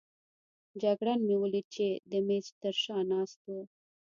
جګړن مې ولید چې د مېز تر شا ناست وو.